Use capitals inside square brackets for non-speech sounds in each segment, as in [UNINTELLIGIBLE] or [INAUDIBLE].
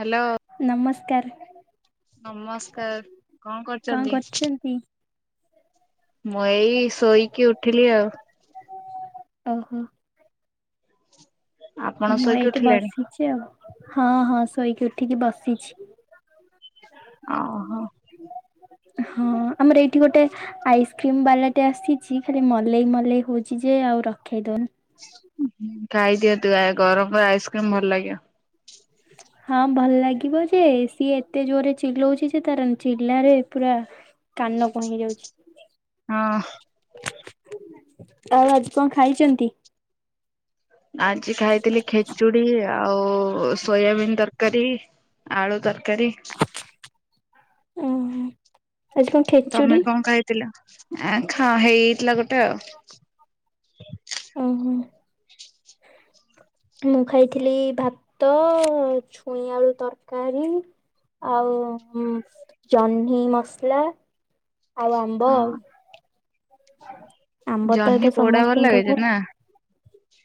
Hello ନମସ୍କାର ନମସ୍କାର, କଣ କରୁଛନ୍ତି? ମୁଁ ଏଇ ଶୋଇକି ଉଠିଲି ଆଉ। ଓ ହୋ ଆପଣ ମୁଁ ଶୋଇକି ଏଇଠି ଉଠିଲେଣି? ବସିିଛି ଆଉ। ହଁ ହଁ ଶୋଇକି ଉଠିକି ବସିଛି। ଓହୋ। ହଁ ଆମର ଏଇଠି ଗୋଟେ ଆଇସ୍କ୍ରିମ ବାଲାଟେ ଆସିଛି ଖାଲି ମଲେଇ ମଲେଇ ହଉଛି ଯେ ଆଉ ରଖେଇ ଦଉନି। ଖାଇଦିଅ ତୁ ଗରମରେ ଆଇସ୍କ୍ରିମ ଭଲ ଲାଗିବ। ହଁ ଭଲ ଲାଗିବ ଯେ ସିଏ ଏତେ ଜୋରେ ଚିଲଉଛି ଯେ ତାର ଚିଲାରେ ପୁରା କାନ କଣ ହେଇ ଯାଉଛି। ହଁ। ଆଉ ଆଜି କଣ ଖାଇଛନ୍ତି? ଆଜି ଖାଇଥିଲି ଖେଚୁଡି ଆଉ ଓ ସୋୟାବିନ୍ ତରକାରୀ। ଆଳୁ ତରକାରୀ। ଓହୋ। ଆଜି କଣ ତମେ ଖେଚୁଡ଼ି? କଣ ଖାଇଥିଲ? ଆ ଖା ହେଇଯାଇଥିଲା ଗୋଟେ ଆଉ। ଓହୋ ମୁଁ ଖାଇଥିଲି ଭାତ, ଛୁଇଁ ଆଳୁ ତରକାରୀ ଆଉ ଜହ୍ନି ମସଲା ଆଉ ଆମ୍ବ ହଁ ଆଉ। [UNINTELLIGIBLE] ତ ଏବେ ଜହ୍ନି ପୋଡା ଭଲ ସମସ୍ତିଙ୍କ ଲାଗେଯେ ଘରେ ନା?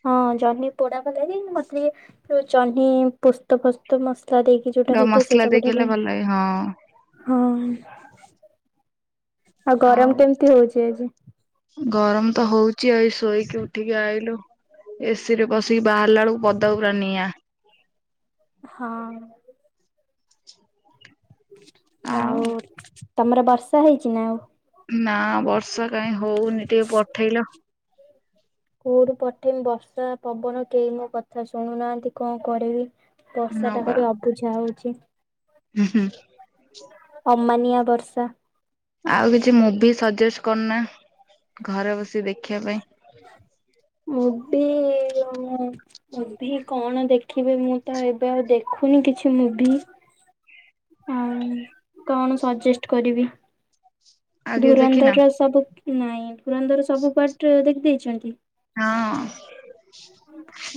ହଁ ଜହ୍ନି ପୋଡା ଭଲ ଲାଗେ ମତେ ସେ ଜହ୍ନି ପୋସ୍ତ ଫୋସ୍ତ ମସ୍ ତା ଦେଇକି ଯୋଉଟା ହେଇଥାଏ ମସଲା ସେଇଟା ଦେଇକି ଗୋଟା ହେଲେ ଭଲ ଲାଗେ ହଁ। [UNINTELLIGIBLE] ଆଉ ଗରମ କେମିତି ହଉଛି ଆଜି? ଗରମ ତ ହଉଛି ଏଇ ଶୋଇକି ଉଠିକି ଆଇଲୁ ଏସିି ରେ ବସିକି ବାହାରିଲା ବେଳକୁ ପଦା ପୁରା ନିଆଁ । ହଁ ଆଉ ତମର ବର୍ଷା ହେଇଛି ନା? ନା ବର୍ଷା କାଇଁ ହଉନି ଟିକେ ପଠେଇଲ । କଉଠୁ ପଠେଇମି ବର୍ଷା ପବନ କେହି ମୋ କଥା ଶୁଣୁନାହାନ୍ତି କଣ କରିବି? ବର୍ଷା ଟା ନବା ଭାରି ଅବୁଝା ହଉଛି । ହୁଁ ହୁଁ ଅମାନିଆ ବର୍ଷା। ଆଉ କିଛି ମୁଭି ସଜେଷ୍ଟ କରନା ଘରେ ବସି ଦେଖିବା ପାଇଁ । ମୁଭି ମୁଭି କଣ ଦେଖିବେ ମୁଁ ତ ଏବେ ଆଉ ଦେଖୁନି କିଛି ମୁଭି ଆଉ କଣ ସଜେଷ୍ଟ କରିବି? ଆଉ କିଛି ଦେଖିନ ଧୁରନ୍ଧର ର ସବୁ ନାଇଁ ଧୁରନ୍ଦର ସବୁ ପାର୍ଟ ଦେଖିଦେଇଛନ୍ତି ହଁ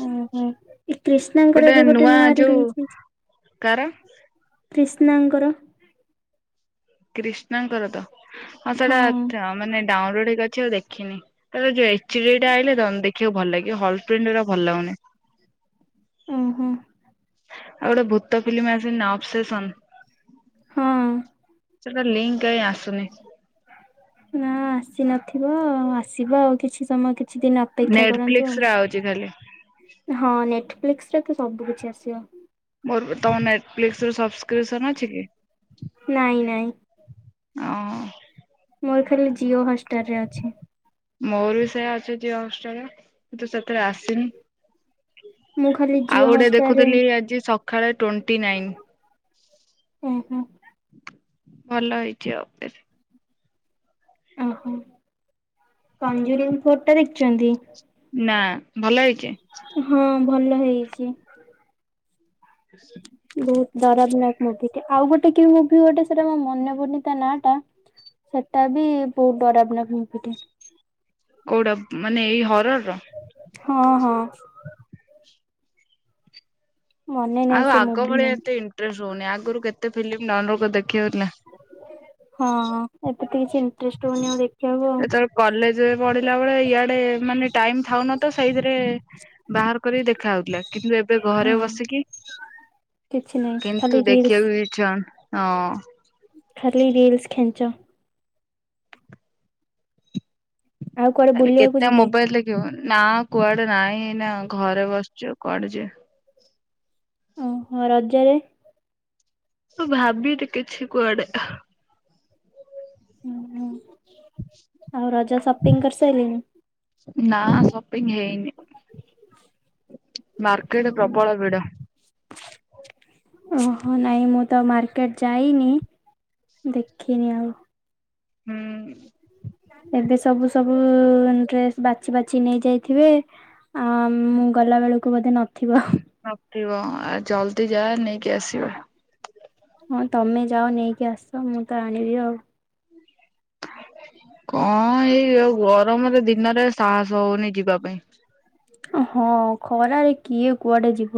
ହୁଁ ହୁଁ ଏ କ୍ରିଷ୍ଣାଙ୍କର ଏବେ ଗୋଟେ ନୂଆ ରିଲିଜ ହେଇଛି କାର । କ୍ରିଷ୍ଣାଙ୍କର କ୍ରିଷ୍ଣାଙ୍କର ତ? ହଁ ସେଇଟା ମାନେ ଡାଉନଲୋଡ ହେଇକି ଅଛି । ଦେଖିନି କେବେ ଯିବେ ଥ୍ରିଡି ଟା ଆଇଲେ ଦେଖିବାକୁ ଭଲ ଲାଗିବ ହଲ ପ୍ରିଣ୍ଟ ଗୁଡା ଭଲ ଲାଗୁନି ଓହୋ । ଆଉ ଗୋଟେ ଭୂତ ଫିଲ୍ମ ଆସି ନି ନା ଅଫସେସନ ହଁ ଲିଙ୍କ କାଇଁ ଆସୁନି । ନା ଆସି ନଥିବ ଆସିବ ଆଉ କିଛି ସମୟ କିଛି ଦିନ ଅପେକ୍ଷା କରନ୍ତୁ ନେଟଫ୍ଲିକ୍ସ ଆଉ ରେ ଆଉଛି ଖାଲି ହଁ ନେଟ ୱର୍କ ନେକ୍ସଟରେ ତ ସବୁ କିିଛି ଆସିବ । ମୋର ବି ତମ ନେଟ ସବସ୍କ୍ରିପସନ ଅଛି କି? ନାଇଁ ନାଇଁ। ଓ ମୋର ଖାଲି, ଜିଓ ହଷ୍ଟଷ୍ଟାର ରେ ଅଛି। ମୋର ବି ସେଇଆ ଅଛି ଜିଅ ହଷ୍ଟଷ୍ଟାରରେ ତୁ ସେଥିରେ ଆସିନି, ମୁଁ ଖାଲି ଆଉ ଜିଓ ଗୋଟେ ହଟଷ୍ଟାରରେ ଦେଖୁଥିଲି ଆଜି ସକାଳେ ଟୋଣ୍ଟି ଓହୋ ନାଇନ। ଭଲ ହେଇଛି ଆଉ ଓହୋ ପଞ୍ଜୁରୀମ ଫଟ ଦେଖିଛନ୍ତି ନା, ଭଲ ହେଇ ହଁ, ଭଲ ହେଇଚି । ହ [INAUDIBLE] ବହୁତ ଡରବନାୟକ ମୁଭି ଟେ, ଆଉ ଗୋଟେ କି ମୁଭି ଗୋଟେ ସେଟା ମୋ ମନେ ପଡୁନି, ତା ନା ଟା ସେଟା ବି ବହୁତ ଡରବନାୟକ ମୁଭି ଟେ । କୋଉଟା ମାନେ, ଏଇ ହରର ର ହଁ, ହଁ ମନେ ନାହିଁ ଆଉ ସେ ଆଗ ମୁଭି ଭଳିଆ ନାଁ। ଏତେ ଇଣ୍ଟରେଷ୍ଟ ହଉନି, ଆଗରୁ କେତେ ଫିଲ୍ମ ନନ ରୋ କୋଉ, ଦେଖି ହୋଉଥିଲା । ହଁ, ଏତେ ଯେତଳେ କଲେଜ ପଢିଲା ବେଳେ, ଇଆଡେ ମାନେ ଟାଇମ ଥାଉ ନ ଥାଉ, ସେଇଥିରେ ବାହାର କରି ଦେଖ ଖାଉଥିଲା। କିନ୍ତୁ ଏବେ ଘରେ ହଁ ବସିକି, କିଛି ନାହିଁ ଖାଲି କିନ୍ତୁ ରିଲସ ଦେଖିବାକୁ ଇଛା ହୋଉନି। ଅଁ, ଖାଲି ରିଲସ ଖେଞ୍ଚ। ଆଉ, କୁଆଡେ ଆରେ ବୁଲିବାକୁ କେତେ ଯିବେ? ମୋବାଇଲ ଦେଖିବୁ ନା କୁଆଡେ ନାଇଁ, ଏଇନା ଘରେ ବସିଚୁ, କୁଆଡେ ଯିବେ। ଓହୋ, ରଜରେ ମୁଁ, ଭାବିନି କିଛି କୁଆଡେ । ହୁଁ, ଉଁ କରିସାରିଲେଣି? ନା, ସପିଂ ହେଇନି । ମାର୍କେଟ ପ୍ରବଳ ଭିଡ । ଓହୋ, ନାଇଁ ମୁଁ, ତ ମାର୍କେଟ ଯାଇନି, ଦେଖିନି ଆଉ । ହୁଁ, ଏବେ ସବୁ, ସବୁ ଡ୍ରେସ ବାଛି, ବାଛି ନେଇ ଯାଇଥିବେ, ଆ ମୁଁ, ଗଲା ବେଳକୁ ବୋଧେ ନ ଥିବ । ତିବ, ଆ ଜଲଦି ଯା ନେଇକି ଆସିବ । ହଁ, ତମେ ଯାଅ ନେଇକି ଆସ, ମୁଁ ତ ଆଣିବି ଆଉ । କଁ, ଏଇ ଆଉ ଗରମରେ, ଦିନରେ ସାହସ ହଉନି, ଯିବା ପାଇଁ । ହଁ, ଖରାରେ କିଏ, କୁଆଡେ ଯି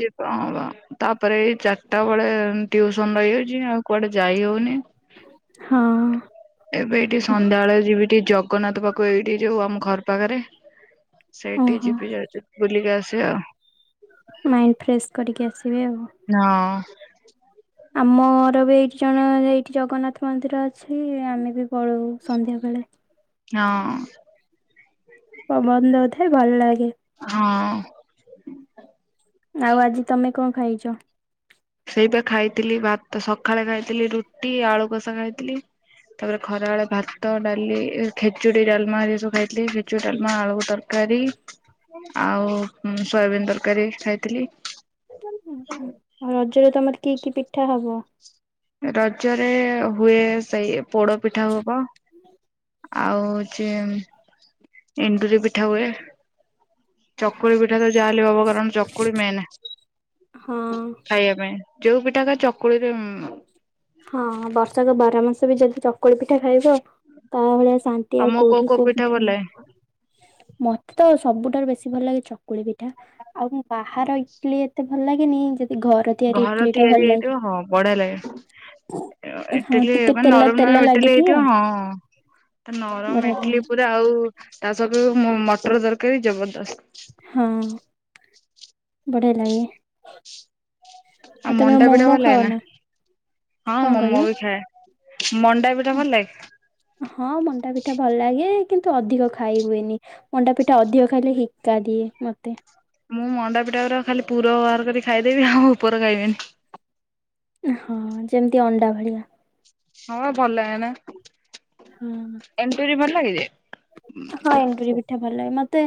ଯତ ହଉ [INAUDIBLE] ତାପରେ, ଏଇ ଚାରିଟା ବେଳେ ଟିଉସନ ରହିଯାଉଛି, ଆଉ କୁଆଡେ ଯାଇ ହଉନି । ହଁ, ଏବେ, ଏଠି ସନ୍ଧ୍ୟାଳ ଯିବି ଟିକେ ଜଗ ଲୋକନାଥ ପାଖକୁ, ଏଇଠି ଯୋଉ ଆମ ଘର ପାଖରେ ସେଇଠି ଓହୋ ଯିବି ଯାଉଛି । ବୁଲିକି ଆସିବ। ମାଇଣ୍ଡ ଫ୍ରେଶ କରିକି ଆସିବେ ଆଉ। ହଁ। ଆମର ବି ଏଇଠି ଜଣ ଏଇଠି ଜଗନ୍ନାଥ ମନ୍ଦିର ଅଛି ଆମେ ବି ପଳଉ ସନ୍ଧ୍ୟା ବେଳେ। ହଁ। ପବନ ଦୋଉଥାଏ ଭଲ ଲାଗେ। ହଁ। ଆଉ ଆଜି ତମେ କଣ ଖାଇଚ? ଟ ସେଇପା ଖାଇଥିଲି ଭାତ ସକାଳେ ଖାଇଥିଲି ରୁଟି ଆଳୁ କଷା ଖାଇଥିଲି ତାପରେ ଖରା ବେଳେ ଭାତ ଡାଲି ଖିଚୁଡି ଡାଲମା ହେରିକା ସବୁ ଖାଇଥିଲି ଖେଚୁଡି ଡାଲମା ଆଳୁ ତରକାରୀ ଆଉ ସୋୟାବିନ ତରକାରୀ ଖାଇଥିଲି। ଆଉ ରଜରେ ତମର କି କି ପିଠା ହବ? ରଜରେ ହୁଏ ସେଇ ପୋଡ ପିଠା ହବ। ଆଉ ଓଚି ଏଣ୍ଡୁରି ପିଠା ହୁଏ। ଚକୁଳି ପିଠା ତ ଯାହାଲେ ହବ କାରଣ ଚକୁଳି ମେନ୍ ହଁ ଖାଇବା ପାଇଁ। ଯୋଉ ପିଠା ଖା ଚକୁଳିରେ ଉ‌ଁ ହଁ ବର୍ଷାକ ବାର ମାସ ରେ ଯଦି ଚକୁଳି ପିଠା ଖାଆଯାଏ ତମ ଭଳିଆ ଶାନ୍ତି ଆଉ ତମକୁ କୋଉଠି କୋଉ ପିଠା ଭଲ ପିଠାରେ ଲାଗେ ନାହିଁ ମତେ ତ ସବୁଠାରୁ ବେଶୀ ଭଲ ଲାଗେ ଚକୁଳି ପିଠା ଆଉ ବାହାର ଇଟଲିି ଏତେ ଭଲ ଲାଗେନି ଯେ ଘର ତିଆରି ହେଇଥିବ ହଁ ବଢିଆ ଲାଗେ। ଇ ହଁ ଇଟିଲି ଟିକେ ମାନେ ତେଲ ନରମ ତେଲ ନରମ ଇଟିଲି ଲାଗିଥିବ ହେଇଥିବ ହଁ ତ ନରମ ବଢିଆ ଇଟିଲି ଲାଗେ ପୁରା ଆଉ ତା ସବୁ ମ ମ [UNINTELLIGIBLE] ଜବରଦସ୍ତ। ହଁ। ବଢିଆ ଲାଗେ। ଆଉ ତମେ ମଣ୍ଡା ପିଠ ମୋମୋ ଖାଅ ଭଲଲାଗେନା ନା ହଁ କଣ କହିଲ? ମୋମୋ ବି ଖାଏ। ମଣ୍ଡା ପିଠା ଭଲ ଲାଗେ? ହଁ ମଣ୍ଡା ପିଠା ଭଲ ଲାଗେ କିନ୍ତୁ ଅଧିକ ଖାଇ ହୁଏନି ମଣ୍ଡା ପିଠା ଅଧିକ ଖାଇଲେ ହିକା ଦିଏ ମତେ। ମୁଁ ମଣ୍ଡା ପିଠା ଉରା ଖାଲି ପୁର ବାହାର କରି ଖାଇଦେମି ଆଉ ଉପର ଖାଇମିନି। ହଁ ଯେମିତି ଅଣ୍ଡା ଭଳିଆ। ହଁ ଭଲଲାଗେନା ଏଣ୍ଡୁରି ଭଲ [UNINTELLIGIBLE] ହଁ ଏଣ୍ଡୁରି ପିଠା ଭଲ ଲାଗେ ମତେ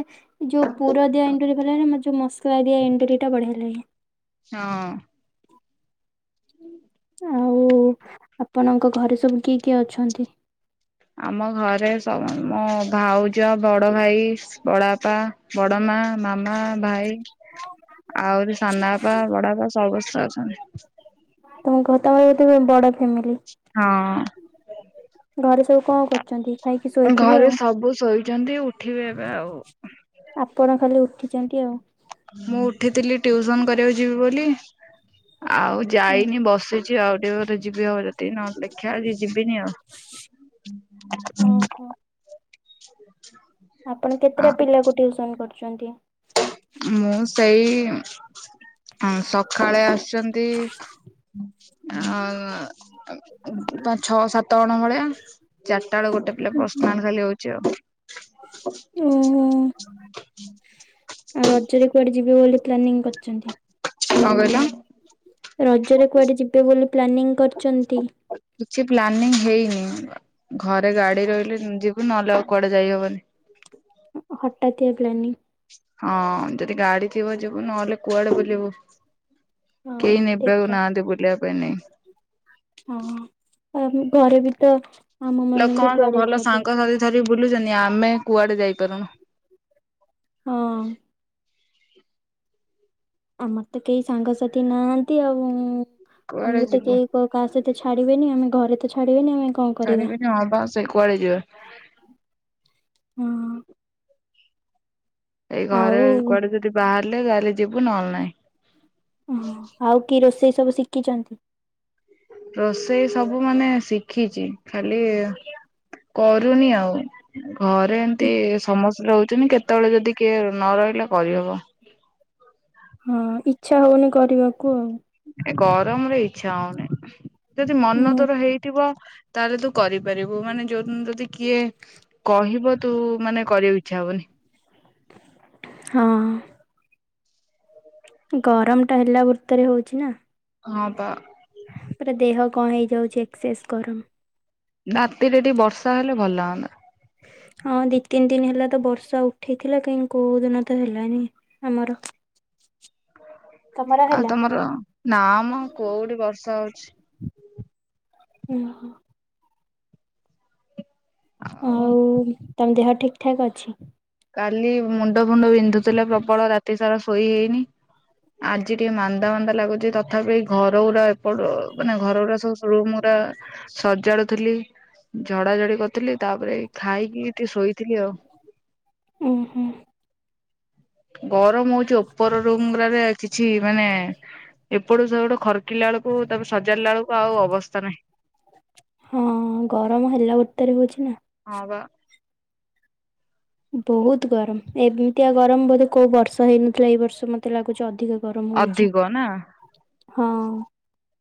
ଯୋଉ ପୁର ଦିଆ ଏଣ୍ଡୁରି ଭଲଲାଗେନା ମତେ ଯୋଉ ମସଲା ଦିଆ ଏଣ୍ଡୁରି ଟା ବଢିଆ ଲାଗେ। ହଁ। ଆଉ ଆପଣଙ୍କ ଘରେ ସବୁ କିଏ କିଏ ଅଛନ୍ତି? ଆମ ଘରେ ସ ମୋ ଭାଉଜ ବଡଭାଇ, ବଡବାପା, ବଡମା ମାମା, ଭାଇ ଆହୁରି ସାନାବାପା ବଡବାପା ସବୁ [INAUDIBLE] ତମ ଘର [UNINTELLIGIBLE] ବଡ ଫ୍ୟାମିଲି ହଁ। ଘରେ ସବୁ କଣ କରୁଛନ୍ତି? ଖାଇକି ଶୋଇଥିବେ ଘରେ ଆଉ ସବୁ ଶୋଇଛନ୍ତି ଉଠିବେ ଏବେ ଆଉ। ଆପଣ ଖାଲି ଉଠିଛନ୍ତି ଆଉ । ମୁଁ ଉଠିଥିଲି ଟିଉସନ କରିବାକୁ ଯିବି ବୋଲି ଆଉ ଯାଇନି ବସିଛି ଆଉ ଟିକେ ପରେ ଆଉ ଯଦି ଯିବି ନହେଲେ ଦେଖିବା ଆଜି ଯିବିନି ଆଉ। ହ ଓହୋ। ଆପଣ କେତେଟା ପିଲାକୁ ଟିଉସନ କରୁ ଛନ୍ତି। ମୁଁ ସେଇ ସକାଳେ ଆସୁଛନ୍ତି ଅ ପାଞ୍ଚ ଛଅ ସାତ ଜଣ ଭଳିଆ ଚା ଚାରିଟା ବେଳେ ଗୋଟେ ପିଲା ପର୍ସନାଲ ଖାଲି ହୋ ଉଚି ଆଉ। ଓହୋ। ଆଉ ରଜରେ କୁଆଡେ ଯିବେ ବୋଲି ପ୍ଲାନିଂ କରିଚନ୍ତି? କଣ କହିଲ? ରଜରେ କୁଆଡେ ଯିବେ ବୋଲି ପ୍ଲାନିଂ କରିଚନ୍ତି? କିଛି ପ୍ଲାନିଂ ହେଇନି ଘରେ ଗାଡି ରହିଲେ ଯିବୁ ନହଲେ ଆଉ କୁଆଡେ ଯାଇହବନି। ହଟାତିଆ ପ୍ଲାନିଂ। ହଁ ଯଦି ଗାଡି ଥିବ ଯିବୁ ନହେଲେ କୁଆଡେ ବୁଲିବୁ । ହଁ କେହି ଠିକ ନେବାକୁ କଥା। ନାହାନ୍ତି ବୁଲିବା ପାଇଁ ନାଇଁ। ହଁ। ଆମେ ଘରେ ବି ତ ଆମ ମାନଙ୍କୁ ଲୋକମାନେ ସବୁ କୁଆଡେ ଭଲ ଏକାଠି ଅଛି ସାଙ୍ଗସାଥି ଧରି ବୁଲୁଛନ୍ତି ଆମେ କୁଆଡେ ଯାଇପାରୁନୁ। ହଁ। ଆମର ତ କେହି ସାଙ୍ଗସାଥି ନାହାନ୍ତି ଆଉ କୁଆଡେ ଆମକୁ ତ ଯିବୁ। କେହି କ କାହା ସହିତ ତ ଛାଡିବେନି ଆମେ ଘରେ ତ ଛାଡିବେନି ଆମେ କଣ କରିବା ଛାଡ଼ିବେନି ହଁ ବା ସେ କୁଆଡ଼େ ଯିବା। ହଁ ଏଇ ଘରେ ଆଉ କୁଆଡେ ଯଦି ବାହାରି ଗଲେ ତାହେଲେ ଯିବୁ ନହେଲେ ନାଇଁ। ଓ ଆଉ କି ରୋଷେଇ ସବୁ ଶିଖିଛନ୍ତି? ରୋଷେଇ ସବୁ ମାନେ ଶିଖିଛି ଖାଲି କରୁନି ଆଉ । ଘରେ ଏମତି ସମସ୍ତେ ରହୁ [UNINTELLIGIBLE] କେତେବେଳେ ଯଦି କିଏ ନ ରହିଲେ କରିହବ। ହଁ ଇଚ୍ଛା ହଉନି କରିବାକୁ ଆଉ। ଏ ଗରମରେ ଇଚ୍ଛା ହଉନି। ଯଦି ମନ ଆଉ। ତୋର ହେଇଥିବ ତାହେଲେ ତୁ କରିପାରିବୁ ମାନେ ଯୋଉ ଦିନ ଯଦି କିଏ କହିବ ତୁ ମାନେ କରିଆକୁ ଇ ଚ୍ଛା ହବନି। ହଁ। ଗରମଟା ହେଲା ବର୍ତରେ ହଉଚି ନା। ହଁ ପା। ପୁରା ଦେହ କଣ ହେଇଯାଉଛି ଏକ୍ସସେସ ଗରମ। ରାତିରେ ଟିକେ ବର୍ଷା ହେଲେ ଭଲ ହନ୍ତା। ହଁ ଦି ତିନି ଦିନ ହେଲା ତ ବର୍ଷା ଉଠେଇଥିଲା କାହିଁ କୋଉଦିନ ତ ହେଲାନି ଆମର। ତମର ଆଉ ହେଲା? ତମର ନା ମ କୋଉଠି ବର୍ଷା ହଉଛି। ହୁଁ ହୁଁ। ଆଉ ତମ ଦେହ ଠିକ ଠାକ୍ ଅଛି? କାଲି ମୁଣ୍ଡ ଫୁଣ୍ଡ ବିନ୍ଧୁଥିଲେ ପ୍ରବଳ ରାତି ସାରା ଶୋଇ ହେଇନି ଆଜି ଟିକେ ମାନ୍ଦା ମାନ୍ଦା ଲାଗୁଛି ତଥାପି ଘର ଗୁରା ଏପଟ ମାନେ ଘରୁଗୁରା ସବୁ ରୁମ ଗୁରା ସଜାଡୁଥିଲି ଝଡାଝଡି କରୁଥିଲି ତାପରେ ଖାଇକି ଟିକେ ଶୋଇଥିଲି ଆଉ। ଉଁ ହୁଁ। ଗରମ ହଉ ଚି ଉପର ରୁମଗୁରାରେ କିଛି ମାନେ ଏପଟୁ ସେପଟୁ ଖର୍ ଡିକିଲା ବେଳକୁ ତାପରେ ସଜାଡିଲା ବେଳୁ ଆଉ ଅବସ୍ଥା ନାହିଁ। ହଁ ଗରମ ହେଲା ବର୍ତରେ ହଉଛି ନା। ହଁ ବା। ବହୁତ ଗରମ ଏମିତି ଆ ଗରମ ବୋଧେ କୋଉ ବର୍ଷ ହେଇନଥିଲା ଏଇ ବର୍ଷ ମତେ ଲାଗୁଛି ଅଧିକ ଗରମ ହଉଛି। ଅଧିକ ନା। ହଁ।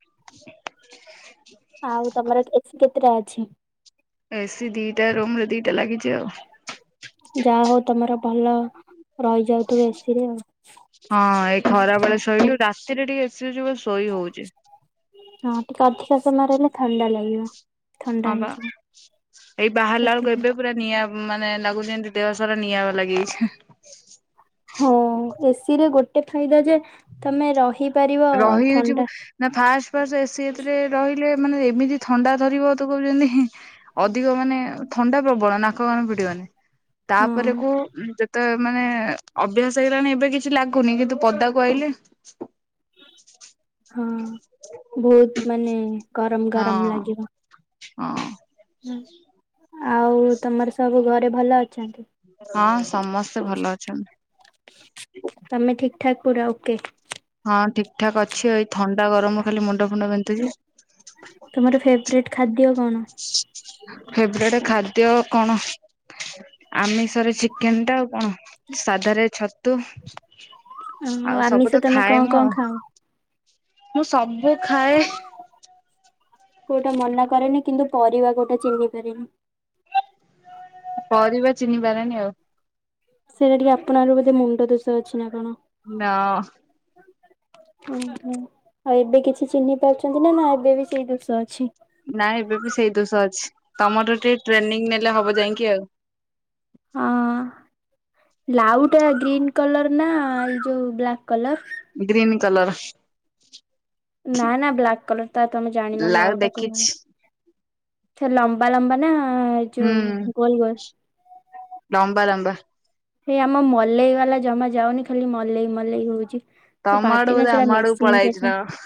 [INAUDIBLE] ଆଉ ତମର [UNINTELLIGIBLE] କେ ତଟା ଅଛି? ଏସି ଦିଟା ରୁମରେ ଦିଟା ଲାଗିଛି ଆଉ। ଯାହା ହଉ ତମର ଭଲ ରହି ହଁ ଏଇ ଖରା ବଳେ ଶୋଇଲୁ ରାତିରେ ଟିକେ ଏସି [UNINTELLIGIBLE] ଶୋଇ ହଉଛି। ହଁ ଟିକେ ଅଧିକା ସମୟ ରହିଲେ ଥଣ୍ଡା ଲାଗିବ। ଥଣ୍ଡା ହଁ ବା ହେଇଯିବ ଏଇ ବାହାରିଲା ବେଳୁଗୁ ସେଥିପାଇଁ। ଏବେ ପୁରା ନିଆଁ ମାନେ ଲାଗୁଛି ଦେହ ସାରା ନିଆ ଲାଗିଯାଇଛି ହଁ ଏ ସି ରେ ଗୋଟେ ଫାଇଦା ଯେ ତମେ ରହି ରହିଉଛି ନା ଫାଷ୍ଟ ଫାଷ୍ଟ ଏ ସି ଏଥିରେ ରହିଲେ ମାନେ ଏମିତି ଥଣ୍ଡା ଧରିବ ତୁ କହିବୁ ଯେମିତି ଅଧିକ ମାନେ ଥଣ୍ଡା ପ୍ରବଳ ନାକ କାନ ଫିଟିବନି ହଁ ତାପର କୁ ତ ମାନେ ଅଭ୍ୟାସ ହେଇଗଲାଣି ଏବେ କିଛି ଲାଗୁନି କିନ୍ତୁ ପଦାକୁ ଆଇଲେ ହଁ ବହୁତ ମାନେ ଗରମ ହଁ ଗରମ ଲାଗିବ, ହଁ ହୁଁ [INAUDIBLE] ଆଉ ତମର ସବୁ ଘରେ ଭଲ ଅଛନ୍ତି ହଁ ସମସ୍ତେ ଭଲ ଅଛନ୍ତି। ଠାକୁୁର ଓକେ ହଁ ଠିକ ଠାକ୍ ଅଛି ଏଇ ଥଣ୍ଡା ଗରମ ଖାଲି ମୁଣ୍ଡ ଫୁଣ୍ଡ ବିନ୍ଧୁଛି ତମର ଫେବ୍ରେଟ୍ ଖାଦ୍ୟ କଣ? ଫେବରେଟ୍ ଖାଦ୍ୟ କଣ ଆମିଷରେ ଚିକେନ ଟା ଆଉ କଣ ସାଧାରେ ଛତୁ ଓ ଆଉ ସବୁ ତ ଆମିଷ ତମେ ଖାଏ କଣ ମୁଁ ଆଉ କଣ ଖାଅ ମୁଁ ସବୁ ଖାଏ କୋଉଟା ମନା କରେନି କିନ୍ତୁ ପରିବା କୋଉଟା ଚିହ୍ନି ପାରେନି। ପରିବା ଚିହ୍ନିିପାରେନି ଆଉ ସେଇଟା ଟିକେ ଆପଣଙ୍କର ବୋଧେ ମୁଣ୍ଡ ଦୋଷ ଅଛି ନା କଣ ନା ଓ ହ ଆଉ ଏବେ କିଛି ଚିହ୍ନି ପାରୁଛନ୍ତି ନା ନା ଏବେ ବି ସେଇ ଦୋଷ ଅଛି ନାାଇଁ ଏବେ ବି ସେଇ ଦୋଷ ଅଛି ତମଠୁ ଟିକେ ଟ୍ରେନିଂ ନେଲେ ହବ ଯାଇକି ଆଉ ହଁ ଲାଉ ଟା ଗ୍ରୀନ କଲର ନା ଏଇ ଯୋଉ ବ୍ଲାକ୍ କଲର ଗ୍ରୀନ୍ କଲର ନା ନା ବ୍ଲାକ୍ କଲର ଟା ତମେ ଜାଣିନ ଲାଉ ଟା କୋଉ କଲର୍? ସେ ଲମ୍ବା ଲମ୍ବା ନା, ହୁଁ ଯୋଉ ଗୋଲ ଗୋଲ? ଲମ୍ବା ଲାମ୍ବା। ସେଇ ଆମ ମଲେଇ ବାଲା ଜମା ଯାଉନି ଖାଲି ମଲେଇ ମଲେଇ ହଉଛି ତା ତମ ଆଡୁ ପାଟି ନା ବୋଧେ ସେଟା ଆମ ଆଡ଼କୁ ମେସିନି ପଳେଇଆଇଛି କେଜାଣି। ନା କଣ